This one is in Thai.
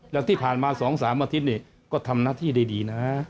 และที่ผ่านมา๒๓อาทิตย์ก็ทำหน้าที่ได้ดี